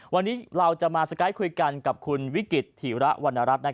วันนี้เราจะมาสกายคุยกันกับคุณวิกฤตถีระวรรณรัฐ